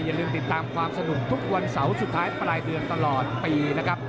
อย่าลืมติดตามความสนุกทุกวันเสาร์สุดท้ายปลายเดือนตลอดปีนะครับ